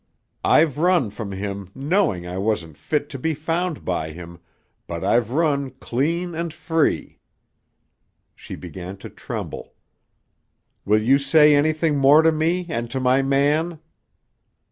I've run from him knowing I wasn't fit to be found by him, but I've run clean and free." She began to tremble. "Will you say anything more to me and to my man?"